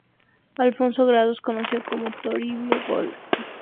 Alfonso Grados, conocido como "Toribio Gol", nació en Pisco, Ica.